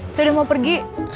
saya udah mau pergi